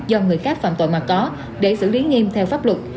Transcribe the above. do người khác phạm tội mà có để xử lý nghiêm theo pháp luật